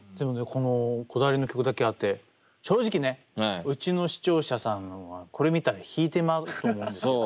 このこだわりの曲だけあって正直ねうちの視聴者さんはこれ見たら引いてまうと思うんですよ。